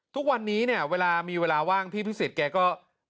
ทุกวันนี้เวลามีเวลาว่างพี่พิศิษฐ์แกก็